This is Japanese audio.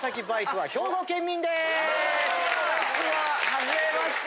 はじめまして。